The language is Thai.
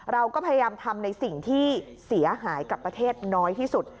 เราก็พยายามทำในสิ่งที่เสียหายกับประเทศน้อยที่สุด